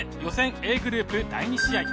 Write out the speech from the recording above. Ａグループ第２試合。